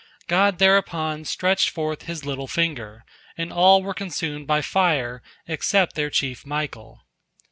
God thereupon stretched forth His little finger, and all were consumed by fire except their chief Michael.